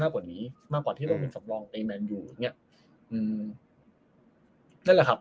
กว่านี้มากกว่าที่เราเป็นสำรองตีแมนอยู่อย่างเงี้ยอืมนั่นแหละครับ